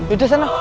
udah di sana